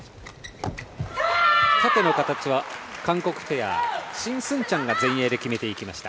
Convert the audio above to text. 縦の形は韓国ペアシン・スンチャンが前衛で決めていきました。